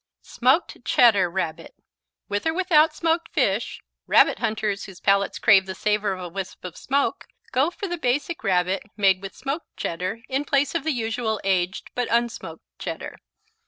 Smoked Cheddar Rabbit With or without smoked fish, Rabbit hunters whose palates crave the savor of a wisp of smoke go for a Basic Rabbit made with smoked Cheddar in place of the usual aged, but unsmoked, Cheddar.